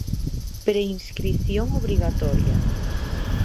Preinscrición obrigatoria.